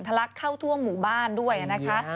ลักเข้าทั่วหมู่บ้านด้วยนะคะ